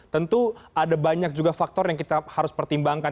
tentu ada banyak juga faktor yang kita harus pertimbangkan